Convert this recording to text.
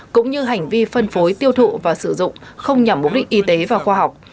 cũng như hành vi phân phối tiêu thụ và sử dụng không nhằm bố định y tế và khoa học